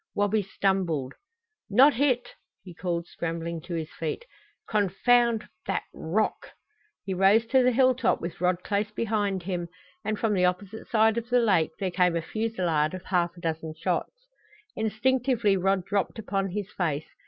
Wabi stumbled. "Not hit!" he called, scrambling to his feet. "Confound that rock!" He rose to the hilltop with Rod close behind him, and from the opposite side of the lake there came a fusillade of half a dozen shots. Instinctively Rod dropped upon his face.